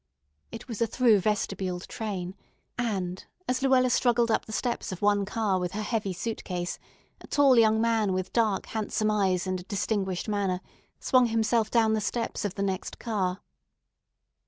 It was a through vestibuled train; and, as Luella struggled up the steps of one car with her heavy suitcase, a tall young man with dark, handsome eyes and a distinguished manner swung himself down the steps of the next car.